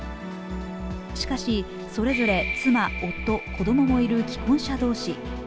しかし、それぞれ妻、夫、子供もいる既婚者同士。